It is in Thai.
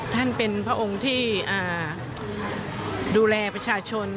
ท่านเป็นพระองค์ที่ดูแลประชาชน